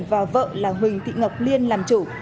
và vợ là huỳnh thị ngọc liên làm chủ